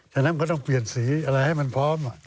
ฉะนั้นก็ต้องเปลี่ยนสีอะไรให้มันพร้อม